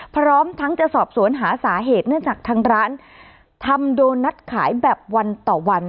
พร้อมทั้งจะสอบสวนหาสาเหตุเนื่องจากทางร้านทำโดนัทขายแบบวันต่อวัน